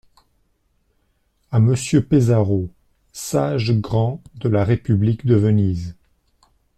À Monsieur Pesaro, sage grand de la république de Venise.